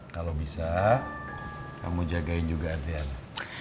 kalau bisa kamu jagain juga adrian